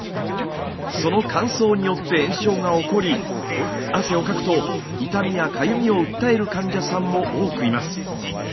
その乾燥によって炎症が起こり汗をかくと痛みやかゆみを訴える患者さんも多くいます。